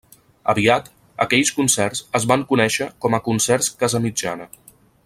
Aviat, aquells concerts es van conèixer com a Concerts Casamitjana.